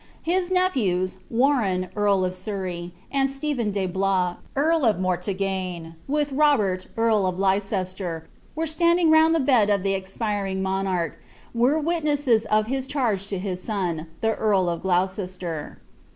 Ilis nephews, Warren earl of Surrey, and Stephen de Blois earl of [ortagne, with Robert eari of Leicester, were standing round the bed !* the expiring monarch, and were witnesses of his charge to his son, le earl of Gloucester.'